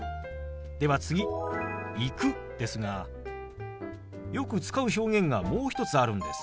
では次「行く」ですがよく使う表現がもう一つあるんです。